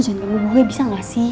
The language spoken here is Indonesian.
jangan ganggu gue bisa gak sih